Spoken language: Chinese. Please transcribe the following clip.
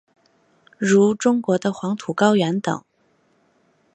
如中国的黄土高原等。